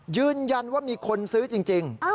ยืนยันว่ามีคนซื้อจริง